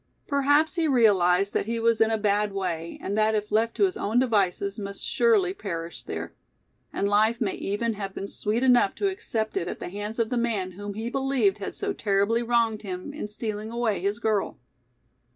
Perhaps he realized that he was in a bad way, and that if left to his own devices must surely perish there. And life may even have been sweet enough to accept it at the hands of the man whom he believed had so terribly wronged him in stealing away his girl.